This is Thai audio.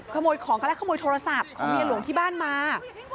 ขโมยของกันแล้วขโมยโทรศัพท์ของเมียหลวงที่บ้านมา